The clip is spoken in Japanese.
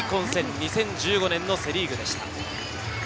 ２０１５年、セ・リーグでした。